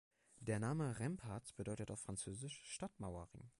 Der Name „Remparts“ bedeutet auf Französisch Stadtmauer-Ring.